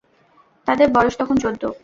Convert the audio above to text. তাদের বয়স তখন চৌদ্দ।